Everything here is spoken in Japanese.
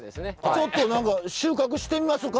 ちょっと何か収穫してみましょうか。